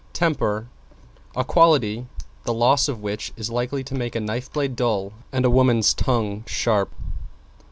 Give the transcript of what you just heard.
=TEMPER= A quality, the loss of which is likely to make a knife blade dull and a woman's tongue sharp.